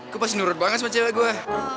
gue pasti nurut banget sama cewek gue